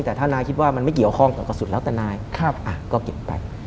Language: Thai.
แต่ถ้านายคิดว่ามันไม่เกี่ยวข้องกับกระสุนแล้วแต่นายก็เก็บไป